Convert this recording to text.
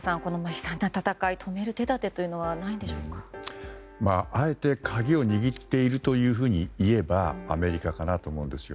悲惨な戦い止める手立てはあえて鍵を握っているといえばアメリカかなと思うんですよ。